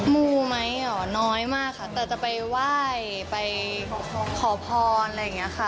มูไหมเหรอน้อยมากค่ะแต่จะไปไหว้ไปขอพรอะไรอย่างนี้ค่ะ